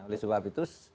oleh sebab itu